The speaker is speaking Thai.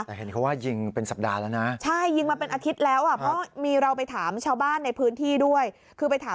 แต่เห็นเขาว่ายิงเป็นสัปดาห์แล้วนะ